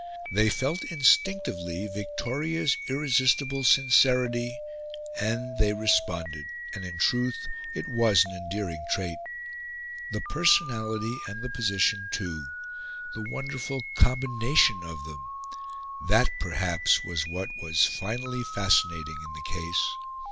They felt instinctively Victoria's irresistible sincerity, and they responded. And in truth it was an endearing trait. The personality and the position, too the wonderful combination of them that, perhaps, was what was finally fascinating in the case.